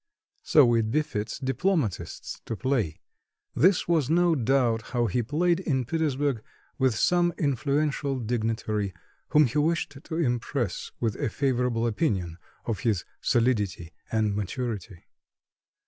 So it befits diplomatists to play; this was no doubt how he played in Petersburg with some influential dignitary, whom he wished to impress with a favourable opinion of his solidity and maturity.